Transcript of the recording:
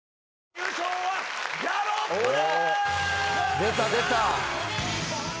・優勝はギャロップです。